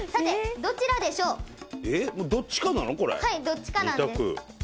どっちかなんです。